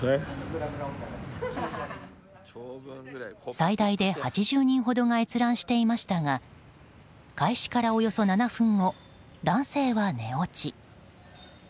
最大で８０人ほどが閲覧していましたが開始からおよそ７分後男性は寝落ち。